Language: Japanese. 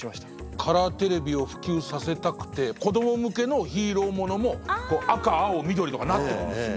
カラーテレビを普及させたくて子ども向けのヒーローものも赤青緑とかなっていくんですよ。